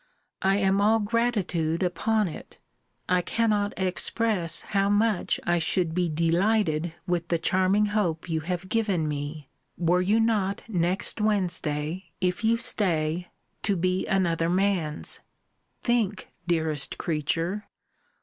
I am all gratitude upon it. I cannot express how much I should be delighted with the charming hope you have given me, were you not next Wednesday, if you stay, to be another man's. Think, dearest creature!